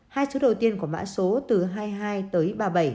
hai số đầu tiên có mã số từ hai mươi hai tới ba mươi bảy